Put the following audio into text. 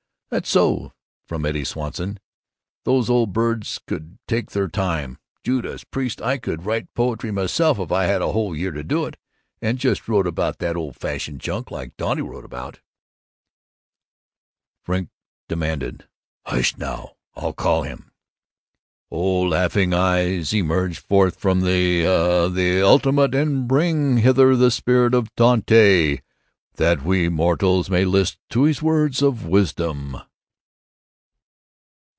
"That's so," from Eddie Swanson. "Those old birds could take their time. Judas Priest, I could write poetry myself if I had a whole year for it, and just wrote about that old fashioned junk like Dante wrote about." Frink demanded, "Hush, now! I'll call him.... O, Laughing Eyes, emerge forth into the, uh, the ultimates and bring hither the spirit of Dante, that we mortals may list to his words of wisdom."